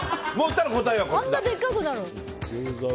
あんなでっかくなるの？